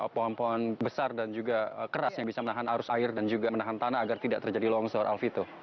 pohon pohon besar dan juga keras yang bisa menahan arus air dan juga menahan tanah agar tidak terjadi longsor alfito